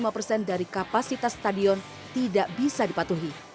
lima persen dari kapasitas stadion tidak bisa dipatuhi